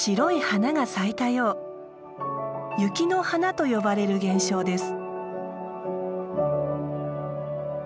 「雪の華」と呼ばれる現象です。